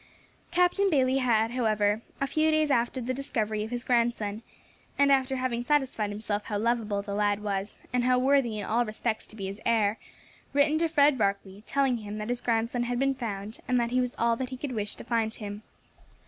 Captain Bayley had, however, a few days after the discovery of his grandson, and after having satisfied himself how lovable the lad was, and how worthy in all respects to be his heir, written to Fred Barkley, telling him that his grandson had been found, and that he was all that he could wish to find him.